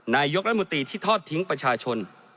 นายกรัฐมนตรีที่ทอดทิ้งประชาชน